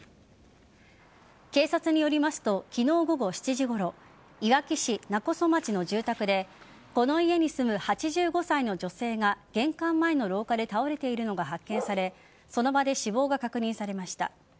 警察によりますと昨日午後７時ごろいわき市勿来町の住宅でこの家に住む８５歳の女性が玄関前の廊下で倒れているのか発見されその場で死亡が確認されました。